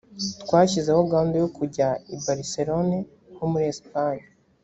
twashyizeho gahunda yo kujya i barcelone ho muri esipanye